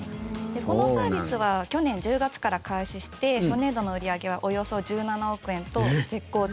このサービスは去年１０月から開始して初年度の売り上げはおよそ１７億円と絶好調。